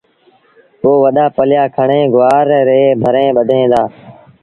پو وڏآ پليآ کڻي گُوآر ريٚݩ ڀريٚݩ ٻڌيٚن دآ۔